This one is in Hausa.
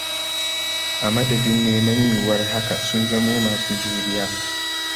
A madadin neman yuwuwar haka sun zamo masu juriya.